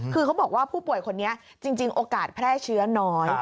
คือเขาบอกว่าผู้ป่วยคนนี้จริงโอกาสแพร่เชื้อน้อย